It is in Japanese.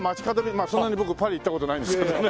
まあそんなに僕パリ行った事ないんですけどね。